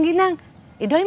mak emang ke rumah